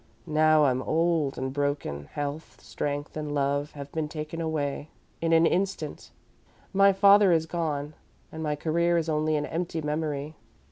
Now I'm old and broken; health, strength, and love have been taken away in an instant, my father is gone, and my career is only an empty memory.